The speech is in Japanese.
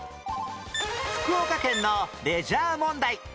福岡県のレジャー問題